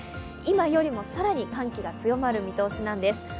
今よりも更に寒気が強まる見通しなんです。